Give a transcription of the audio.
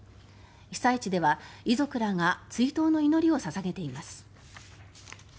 被災地では遺族らが追悼の祈りを捧げています。